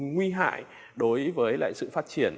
nguy hại đối với sự phát triển